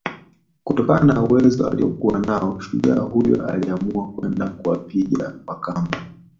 kutokana na uwezo aliokuwa nao shujaa huyo aliamua kwenda kuwapiga Wakamba